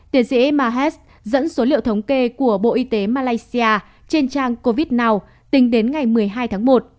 tiến sĩ mahesh dẫn số liệu thống kê của bộ y tế malaysia trên trang covidnow tính đến ngày một mươi hai tháng